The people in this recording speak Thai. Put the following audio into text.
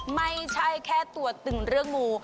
ไม่ใช่แค่ตัวตึงเรื่องงู